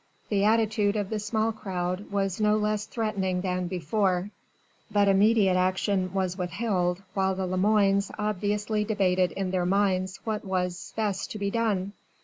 The attitude of the small crowd was no less threatening than before, but immediate action was withheld while the Lemoines obviously debated in their minds what was best to be done.